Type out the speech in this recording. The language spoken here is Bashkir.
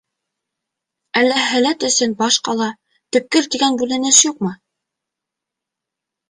Әллә һәләт өсөн баш ҡала-төпкөл тигән бүленеш юҡмы?